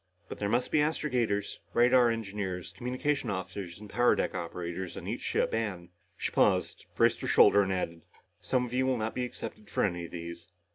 But there must be astrogators, radar engineers, communication officers and power deck operators on each ship, and," she paused, braced her shoulders and added, "some of you will not be accepted for any of these.